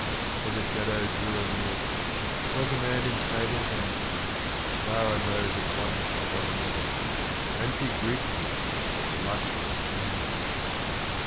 But the shadow drew anear them, 'Twas a man in sable mantle. Clara knows at once Ramiro, And she greets him, blushing crimson.